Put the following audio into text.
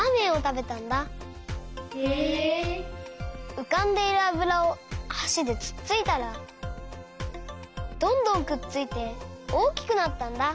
うかんでいるあぶらをはしでつっついたらどんどんくっついておおきくなったんだ。